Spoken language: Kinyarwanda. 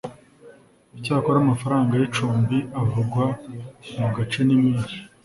Icyakora amafaranga y icumbi avugwa mu gace ni menshi